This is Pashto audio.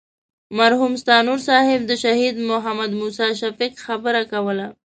مرحوم ستانور صاحب د شهید محمد موسی شفیق خبره کوله.